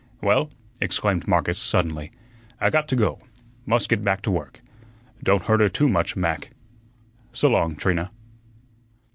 "Well," exclaimed Marcus suddenly, "I got to go. Must get back to work. Don't hurt her too much, Mac. S'long, Trina."